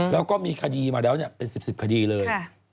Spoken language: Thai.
แล้วก็มีคดีมาแล้วเนี่ยเป็นสิบคดีเลย